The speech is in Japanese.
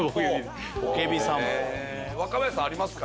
若林さんありますか？